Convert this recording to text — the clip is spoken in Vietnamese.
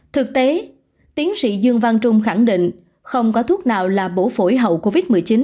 thực tế tiến sĩ dương văn trung khẳng định không có thuốc nào là bổ phổi hậu covid một mươi chín